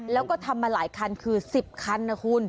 แล้วก็ทำมาหลายคันคือ๑๐คันนะคุณ